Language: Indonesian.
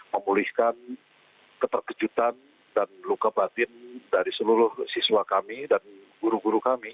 memulihkan keterkejutan dan luka batin dari seluruh siswa kami dan guru guru kami